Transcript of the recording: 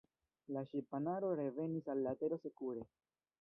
La ŝipanaro revenis al la Tero sekure.